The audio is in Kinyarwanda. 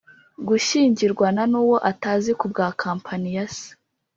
gushyingirwana n’uwo atazi kubwa company ya se